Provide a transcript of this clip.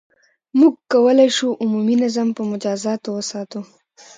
• موږ کولای شو، عمومي نظم په مجازاتو وساتو.